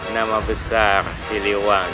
nama besar siliwangi